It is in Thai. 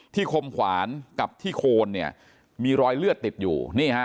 ที่คมขวานกับที่โคนมีรอยเลือดติดอยู่